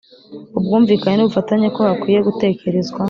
ubwumvikane n’ ubufatanye, ko hakwiye gutekerezwa